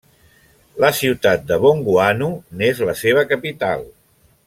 La ciutat de Bongouanou n'és la seva capital.